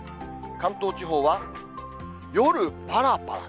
関東地方は、夜ぱらぱら。